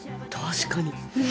確かに。